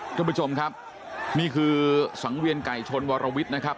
ท่านผู้ชมครับนี่คือสังเวียนไก่ชนวรวิทย์นะครับ